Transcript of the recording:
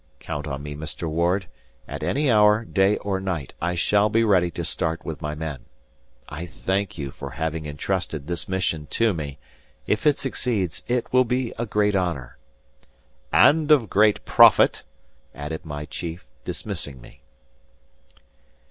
"Count on me, Mr. Ward; at any hour, day or night, I shall be ready to start with my men. I thank you for having entrusted this mission to me. If it succeeds, it will be a great honor—" "And of great profit," added my chief, dismissing me.